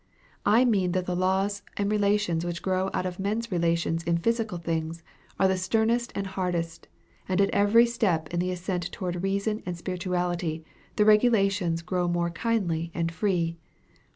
I mean that the laws and relations which grow out of men's relations in physical things are the sternest and hardest, and at every step in the assent toward reason and spirituality, the relations grow more kindly and free.